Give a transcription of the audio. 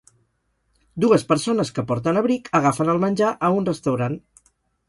Dues persones que porten abric agafen el menjar a un restaurant.